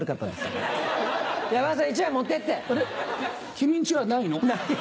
君ん家はないの？